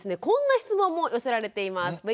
こんな質問も寄せられています。